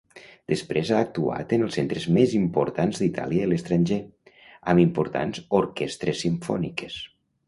Després ha actuat en els centres més importants d'Itàlia i l'estranger, amb importants orquestres simfòniques.